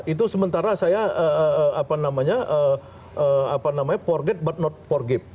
itu sementara saya apa namanya forget but not forgive